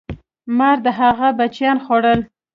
مار د هغه بچیان خوړل.